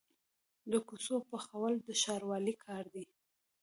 د کوڅو پخول د ښاروالۍ کار دی